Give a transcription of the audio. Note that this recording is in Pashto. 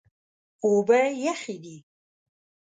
اوبه یخې دي.